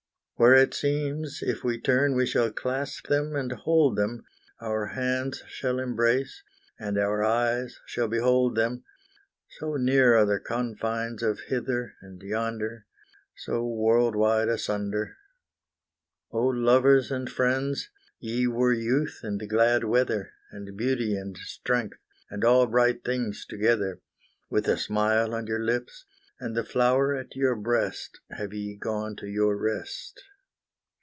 Where it seems if we turn we shall clasp them and hold them, Our hands shall embrace and our eyes shall behold them, So near are the confines of hither, and yonder, So world wide asunder! Oh, lovers and friends! ye were youth and glad weather, And beauty and strength, and all bright things together, With the smile on your lips, and the flower at your breast Have ye gone to your rest.